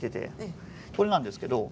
これなんですけど。